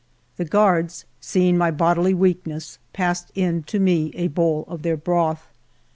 The guards, seeing my bod ily weakness, passed in to me a bowl of their broth.